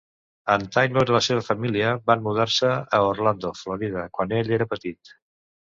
En Taylor i la seva família van mudar-se a Orlando, Florida, quan ell era petit.